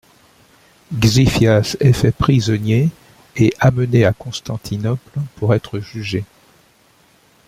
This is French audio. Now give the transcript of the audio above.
Xiphias est fait prisonnier et amené à Constantinople pour être jugé.